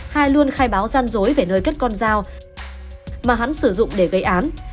hai luôn khai báo gian dối về nơi cất con dao mà hắn sử dụng để gây án